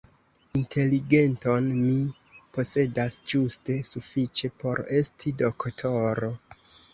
Inteligenton mi posedas ĝuste sufiĉe por esti doktoro.